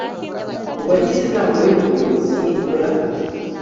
mu bagize inama y ubuyobozi nibura